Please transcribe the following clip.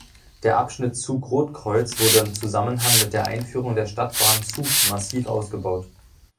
Der Abschnitt Zug–Rotkreuz wurde im Zusammenhang mit der Einführung der Stadtbahn Zug massiv ausgebaut.